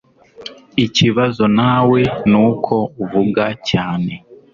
Ikibazo nawe nuko uvuga cyane